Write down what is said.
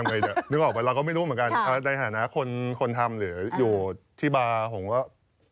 นึกออกไหมเราก็ไม่รู้เหมือนกันในฐานะคนคนทำหรืออยู่ที่บาร์ผมก็